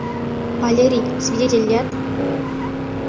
Валерий, свидетель лият?